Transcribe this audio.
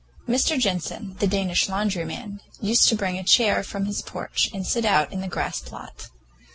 Mr. Jensen, the Danish laundryman, used to bring a chair from his porch and sit out in the grass plot.